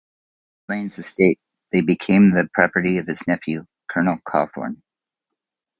From Mr. Lane's estate, they became the property of his nephew, Colonel Cawthorn.